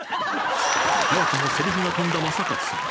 早くもせりふが飛んだ正勝さん。